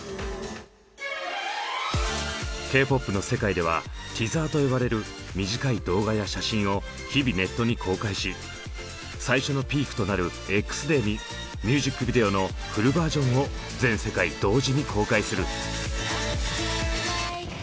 Ｋ−ＰＯＰの世界では「ティザー」と呼ばれる短い動画や写真を日々ネットに公開し最初のピークとなるＸデーにミュージックビデオのフルバージョンを全世界同時に公開する。